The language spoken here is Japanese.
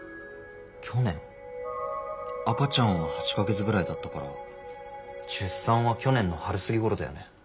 去年赤ちゃんは８か月ぐらいだったから出産は去年の春過ぎ頃だよね？